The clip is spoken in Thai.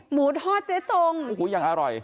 หมูทอดเจ๊จงโอ้โหยังอร่อย